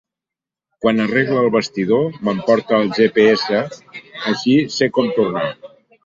Quan arregle el vestidor m'emporte el ge pe essa, així, sé com tornar.